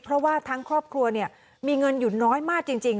เพราะว่าทั้งครอบครัวมีเงินอยู่น้อยมากจริง